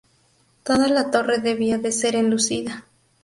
Toda la torre debía de ser enlucida.